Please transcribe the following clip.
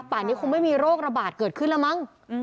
ป่านนี้คงไม่มีโรคระบาดเกิดขึ้นแล้วมั้ง